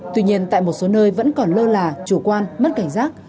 tuy nhiên tại một số nơi vẫn còn lơ là chủ quan mất cảnh giác